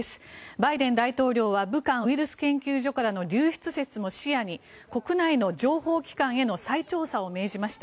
バイデン大統領は武漢ウイルス研究所からの流出説も視野に国内の情報機関への再調査を命じました。